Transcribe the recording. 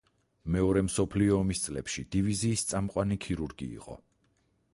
მეორე მსოფლიო ომის წლებში დივიზიის წამყვანი ქირურგი იყო.